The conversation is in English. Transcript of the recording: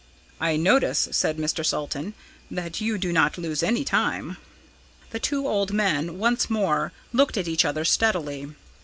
"I notice," said Mr. Salton, "that you do not lose any time." The two old men once more looked at each other steadily.